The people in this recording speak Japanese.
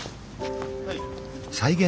はい。